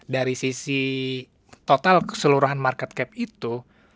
dari sisi total keseluruhan market cap itu